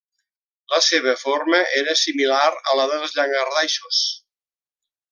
La seva forma era similar a la dels llangardaixos.